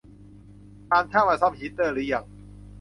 ตามช่างมาซ่อมฮีตเตอร์รึยัง